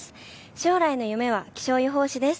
将来の夢は気象予報士です。